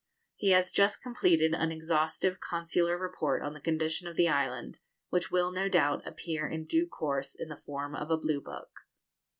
He has just completed an exhaustive consular report on the condition of the island, which will, no doubt, appear in due course in the form of a blue book.